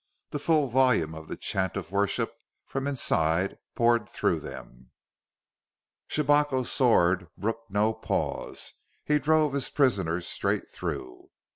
The full volume of a chant of worship from inside poured through them. Shabako's sword brooked no pause. He drove his prisoners straight through.